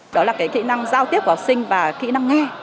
đó là cái kỹ năng giao tiếp của học sinh và kỹ năng nghe